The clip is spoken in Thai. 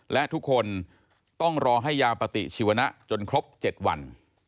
และทุกคนต้องรอให้ยาปฏิชีวนะจนครบ๗วัน